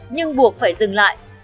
nhưng buộc phải dừng lại